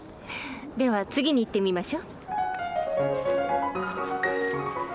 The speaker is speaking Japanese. では次にいってみましょ。